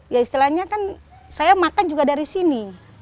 ya istilahnya kan saya makan juga dari sini